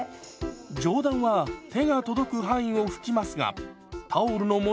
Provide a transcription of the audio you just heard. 上段は手が届く範囲を拭きますがタオルの持ち方を変えます。